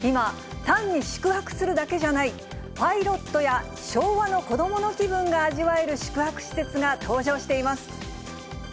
今、単に宿泊するだけじゃない、パイロットや昭和の子どもの気分が味わえる宿泊施設が登場しています。